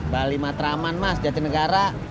bali matraman mas jati negara